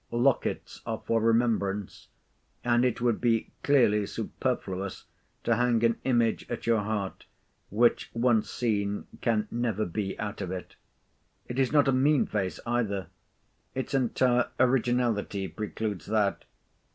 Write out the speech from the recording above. Lockets are for remembrance; and it would be clearly superfluous to hang an image at your heart, which, once seen, can never be out of it. It is not a mean face either; its entire originality precludes that.